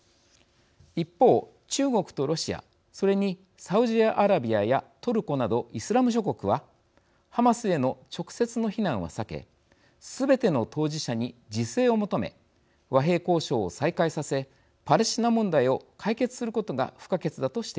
一方中国とロシアそれにサウジアラビアやトルコなどイスラム諸国はハマスへの直接の非難は避けすべての当事者に自制を求め和平交渉を再開させパレスチナ問題を解決することが不可欠だとしています。